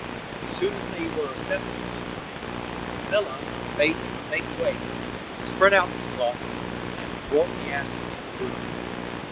As soon as they were assembled, the miller bade them make way, spread out his cloth, and brought the ass into the room.